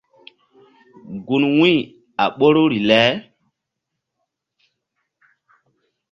Gun wu̧y a ɓoruri le.